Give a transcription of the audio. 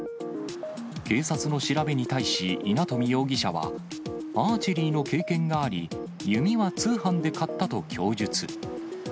警察の調べに対し、稲冨容疑者は、アーチェリーの経験があり、弓は通販で買ったと供述。